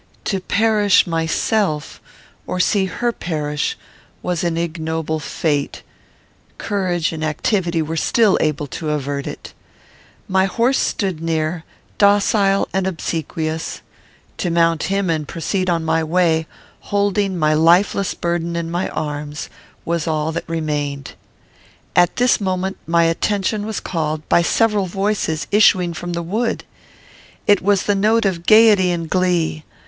To perish myself, or see her perish, was an ignoble fate; courage and activity were still able to avert it. My horse stood near, docile and obsequious; to mount him and to proceed on my way, holding my lifeless burden in my arms, was all that remained. At this moment my attention was called by several voices issuing from the wood. It was the note of gayety and glee.